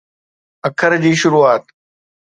آخر جي شروعات؟